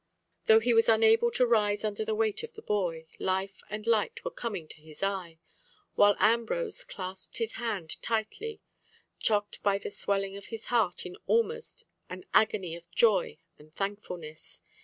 Though he was unable to rise under the weight of the boy, life and light were coming to his eye, while Ambrose clasped his hand tightly, chocked by the swelling of his heart in almost an agony of joy and thankfulness.